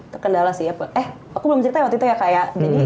terkendala sih ya eh aku belum cerita waktu itu ya kak ya